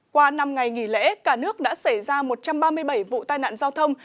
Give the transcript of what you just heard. qua năm ngày nghỉ lễ cả nước đã xảy ra một trăm ba mươi bảy vụ tai nạn giao thông